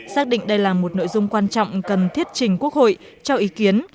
xác định đây là một nội dung quan trọng cần thiết trình quốc hội cho ý kiến